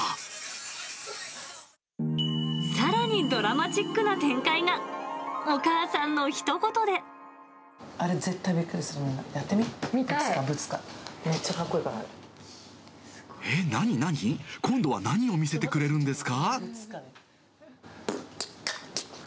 さらにドラマチックな展開が、あれ、絶対びっくりするの、やってみ、ブツカブツカ、めっちゃかっこいえっ？何々？今度は何を見せてくれるんですか？